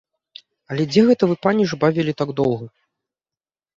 Але дзе гэта вы, паніч, бавілі так доўга?